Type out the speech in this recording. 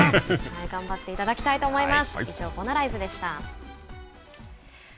頑張っていただきたいと思います。